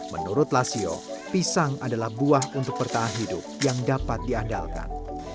menurut lasio pisang adalah buah untuk pertahanan hidup yang dapat diandalkan